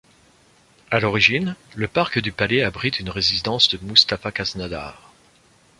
À l'origine, le parc du palais abrite une résidence de Mustapha Khaznadar.